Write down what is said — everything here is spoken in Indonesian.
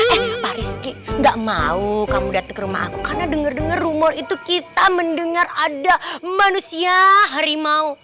pak rizky gak mau kamu datang ke rumah aku karena denger dengar rumor itu kita mendengar ada manusia harimau